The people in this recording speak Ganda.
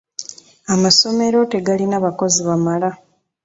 Amasomero tegalina bakozi bamala.